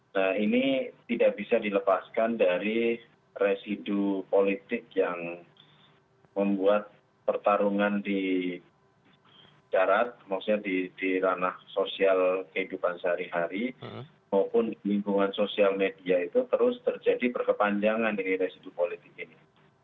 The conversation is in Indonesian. nah ini tidak bisa dilepaskan dari residu politik yang membuat pertarungan di darat maksudnya di ranah sosial kehidupan sehari hari maupun di lingkungan sosial media itu terus terjadi berkepanjangan dari residu politik ini